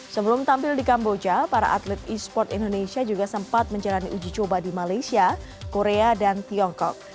sebelum tampil di kamboja para atlet e sport indonesia juga sempat menjalani uji coba di malaysia korea dan tiongkok